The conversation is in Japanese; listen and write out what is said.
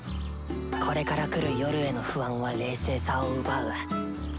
これから来る夜への不安は冷静さを奪う。